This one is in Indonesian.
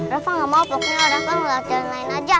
rafa gak mau pokoknya rafa ngeluat jalan lain aja